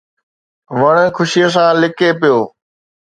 وڻ خوشيءَ سان لڪي پيو